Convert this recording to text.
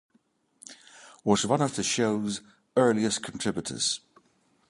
Was one of the show's earliest contributors.